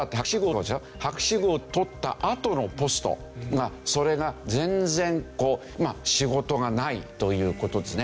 博士号を取ったあとのポストがそれが全然こうまあ仕事がないという事ですね。